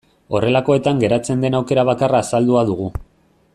Horrelakoetan geratzen den aukera bakarra azaldua dugu.